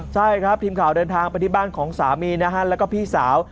ใช่ครับทีมข่าวเดินทางไปที่บ้านของสามีนะฮะแล้วก็พี่สาว